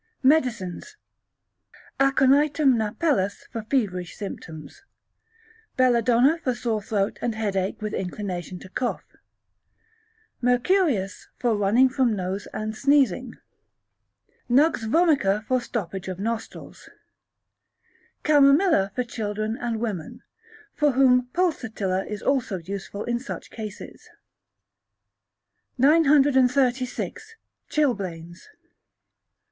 Medicines. Aconitum napellus for feverish symptoms; Belladonna for sore throat and headache with inclination to cough; Mercurius for running from nose and sneezing; Nux vomica for stoppage of nostrils; Chamomilla for children and women, for whom Pulsatilla is also useful in such cases. 936. Chilblains.